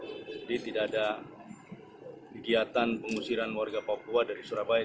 jadi tidak ada kegiatan pengusiran warga papua dari surabaya